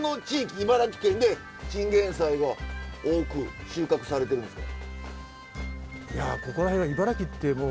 茨城県でチンゲンサイが多く収穫されてるんですか？